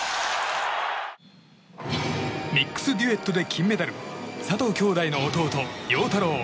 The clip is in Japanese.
ミックスデュエットで金メダル佐藤姉弟の弟・陽太郎。